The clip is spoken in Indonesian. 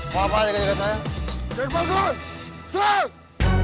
mau apa dekat dekat saya